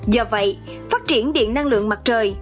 do vậy phát triển điện năng lượng mặt trời